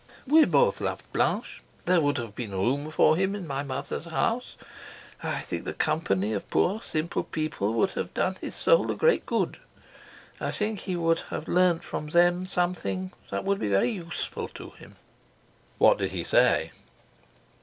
"We both loved Blanche. There would have been room for him in my mother's house. I think the company of poor, simple people would have done his soul a great good. I think he might have learnt from them something that would be very useful to him." "What did he say?"